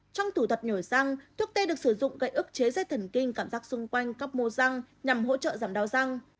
trong thủ thuật nhổ răng thuốc tê được sử dụng gây ức chế dây thần kinh cảm giác xung quanh các mô răng nhằm hỗ trợ giảm đau răng